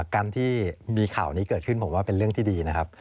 การที่มีข่าวนี้เกิดขึ้นผมว่าเป็นเรื่องที่ดีนะครับ